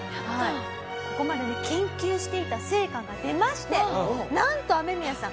ここまで研究していた成果が出ましてなんとアメミヤさん